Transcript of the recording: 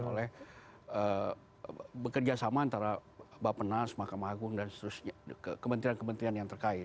oleh bekerja sama antara bapak penas mahkamah agung dan kementerian kementerian yang terkait